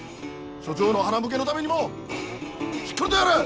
署長のはなむけのためにもしっかりとやれ！